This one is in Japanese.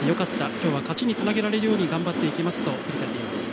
今日は勝ちにつなげられるように頑張っていきますと振り返っています。